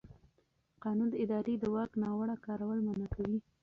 قانون د ادارې د واک ناوړه کارول منع کوي.